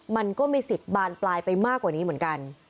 มันก็มีสิทธิ์บานปลายไปมากกว่านี้เหมือนกัน